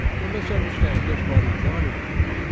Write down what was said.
They must understand just what is wanted of them.